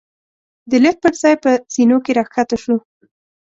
د لېفټ پر ځای په زېنو کې را کښته شوو.